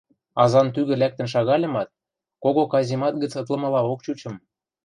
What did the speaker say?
Азан тӱгӹ лӓктӹн шагальымат, кого каземат гӹц ытлымылаок чучым.